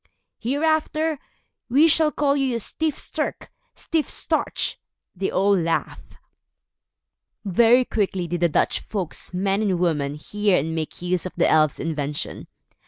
"Hereafter, we shall call you Styf Sterk, Stiff Starch." They all laughed. Very quickly did the Dutch folks, men and women, hear and make use of the elves' invention.